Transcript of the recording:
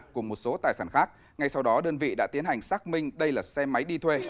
cùng một số tài sản khác ngay sau đó đơn vị đã tiến hành xác minh đây là xe máy đi thuê